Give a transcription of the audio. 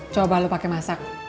coba lu pake masak